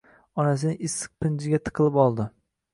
Onasining issiq pinjiga tiqilib oldi